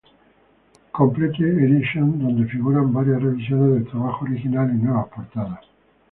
Complete Edition", donde figuran varias revisiones del trabajo original y nuevas portadas.